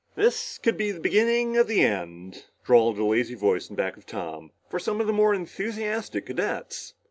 "This could be the beginning of the end," drawled a lazy voice in back of Tom, "for some of the more enthusiastic cadets."